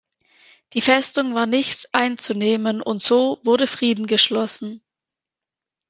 Die Festung war nicht einzunehmen und so wurde Frieden geschlossen.